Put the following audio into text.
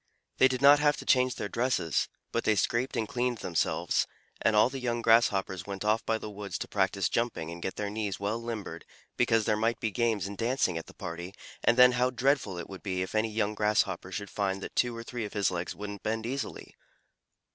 They did not have to change their dresses, but they scraped and cleaned themselves, and all the young Grasshoppers went off by the woods to practise jumping and get their knees well limbered, because there might be games and dancing at the party, and then how dreadful it would be if any young Grasshopper should find that two or three of his legs wouldn't bend easily!